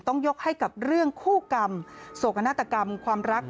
ต้องยกให้กับเรื่องคู่กรรมโศกนาฏกรรมความรัก